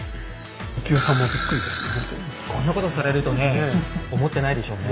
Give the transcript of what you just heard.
こんなことされるとね思ってないでしょうね。